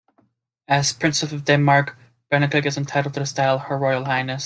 As Princess of Denmark, Benedikte is entitled to the style "Her Royal Highness".